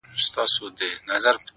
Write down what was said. پخوا د كلي په گودر كي جـادو;